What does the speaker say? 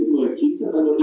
tức là chúng ta đã có đường bay